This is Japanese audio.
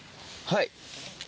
はい。